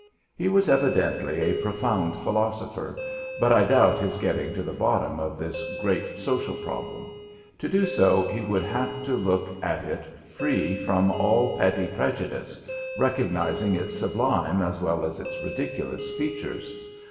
He was evidently a profound philosopher, but I doubt his getting to the bottom of this great social problem. To do so he would have to look at it free from all petty prejudice, recognising its sublime as well as its ridiculous features.